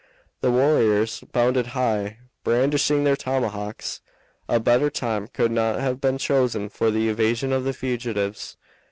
The warriors bounded high, brandishing their tomahawks. A better time could not have been chosen for the evasion of the fugitives.